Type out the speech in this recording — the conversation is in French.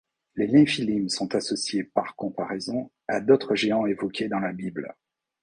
Les nephilims sont associés, par comparaison, à d'autres géants évoqués dans la Bible.